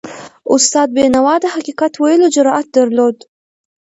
استاد بینوا د حقیقت ویلو جرأت درلود.